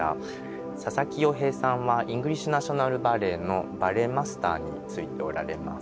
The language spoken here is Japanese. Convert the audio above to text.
佐々木陽平さんはイングリッシュ・ナショナル・バレエのバレエマスターに就いておられます。